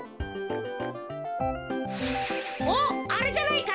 おっあれじゃないか？